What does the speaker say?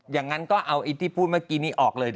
อย่างนั้นก็เอาไอ้ที่พูดเมื่อกี้นี้ออกเลย